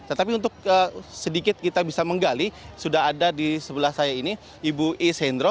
tetapi untuk sedikit kita bisa menggali sudah ada di sebelah saya ini ibu is hendro